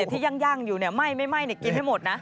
ที่ยั่งอยู่ไหม้กินให้หมดนะ